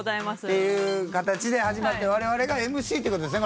っていう形で始まって我々がＭＣっていう事ですね？